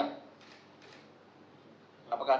apakah ada pertanyaan